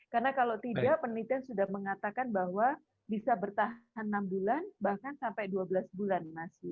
karena kalau tidak penelitian sudah mengatakan bahwa bisa bertahan enam bulan bahkan sampai dua belas bulan